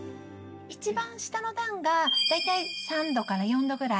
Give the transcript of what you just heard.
いちばん下の段が大体３度から４度ぐらい。